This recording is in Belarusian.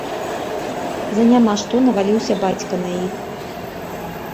За няма што наваліўся бацька на іх.